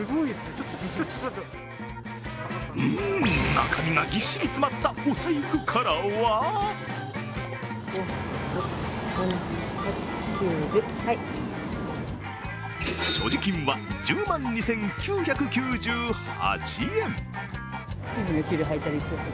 中身がギッシリ詰まったお財布からは所持金は１０万２９９８円。